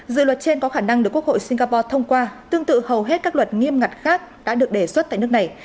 dự luật trên có khả năng được quốc hội singapore thông qua tương tự hầu hết các luật nghiêm ngặt khác đã được đề xuất tại nước này